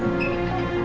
uya buka gerbang